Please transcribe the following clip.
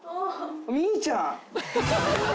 みーちゃん。